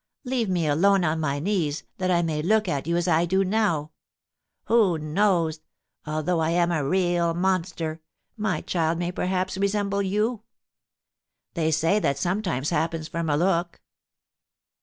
Leave me alone, on my knees, that I may look at you as I do now. Who knows, although I am a real monster, my child may perhaps resemble you? They say that sometimes happens from a look."